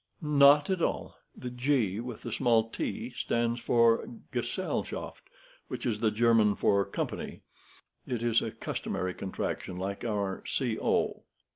"Not all. The G with the small t stands for 'Gesellschaft,' which is the German for 'Company.' It is a customary contraction like our 'Co.'